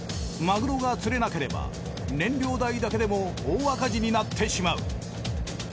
マグロが釣れなければ燃料代だけでも大赤字になってしまう。